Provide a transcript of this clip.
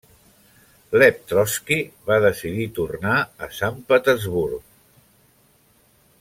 Lev Trotski va decidir tornar a Sant Petersburg.